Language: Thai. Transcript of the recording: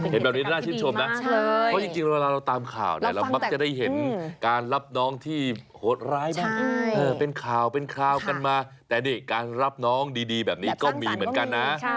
เห็นแบบนี้น่าชื่นชมนะเพราะจริงเวลาเราตามข่าวเนี่ยเรามักจะได้เห็นการรับน้องที่โหดร้ายบ้างเป็นข่าวเป็นคราวกันมาแต่นี่การรับน้องดีแบบนี้ก็มีเหมือนกันนะ